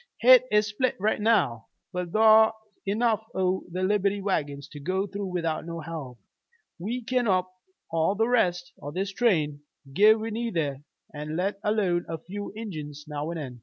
Hit is split right now. But thar's enough o' the Liberty wagons to go through without no help. We kin whup all the rest o' this train, give we need ter, let alone a few Injuns now an' then.